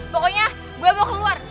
pokoknya gue mau keluar